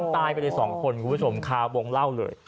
ตายไปเลย๒คนคุณผู้ชมคาวงเล่าเลย